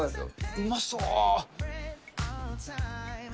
うまそう。